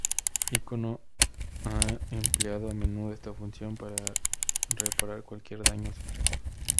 Ícono ha empleado a menudo esta función para reparar cualquier daño a su traje.